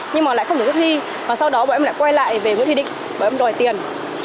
nhưng mà lại không thể thức thi và sau đó bọn em lại quay lại về nguyễn thị định bọn em đòi tiền